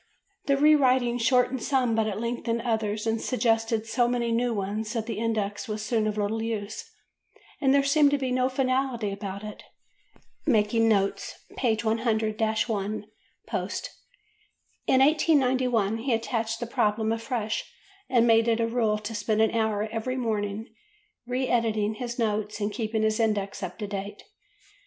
The re writing shortened some but it lengthened others and suggested so many new ones that the index was soon of little use and there seemed to be no finality about it ("Making Notes," pp. 100–1 post). In 1891 he attached the problem afresh and made it a rule to spend an hour every morning re editing his notes and keeping his index up to date.